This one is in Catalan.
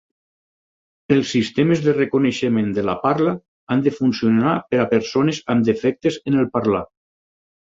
Els sistemes de reconeixement de la parla han de funcionar per a persones amb defectes en el parlar.